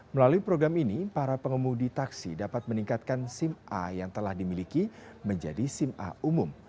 melalui program ini para pengemudi taksi dapat meningkatkan sim a yang telah dimiliki menjadi sim a umum